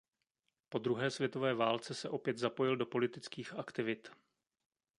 Po druhé světové válce se opět zapojil do politických aktivit.